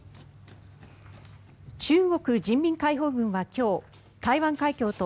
中国人民解放軍は今日台湾海峡と